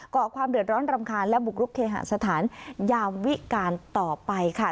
่อความเดือดร้อนรำคาญและบุกรุกเคหาสถานยามวิการต่อไปค่ะ